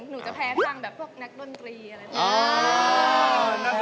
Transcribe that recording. หนูจะแพ้ทางแบบพวกนักดนตรีอะไรพวกนี้